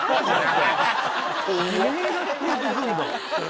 悲鳴が聞こえてくるの。